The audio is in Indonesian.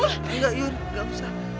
enggak yur enggak usah